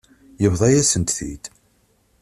Yebḍa-yasent-t-id.